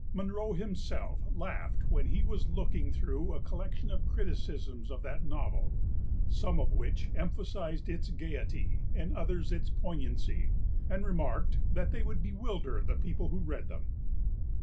Munro himself laughed when he was looking through a collection of criticisms of that novel, some of p. xiwhich emphasised its gaiety and others its poignancy, and remarked that they would bewilder the people who read them.